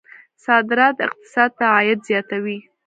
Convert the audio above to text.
صادرات اقتصاد ته عاید زیاتوي.